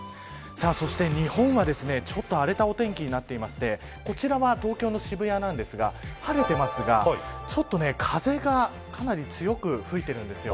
そして日本はちょっと荒れたお天気になっていてこちらは東京の渋谷なんですが晴れてますが、ちょっと風がかなり強く吹いているんですよ。